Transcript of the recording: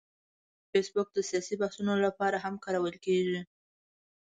فېسبوک د سیاسي بحثونو لپاره هم کارول کېږي